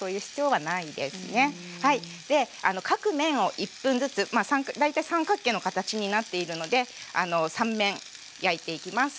はいで各面を１分ずつまあ大体三角形の形になっているので３面焼いていきます。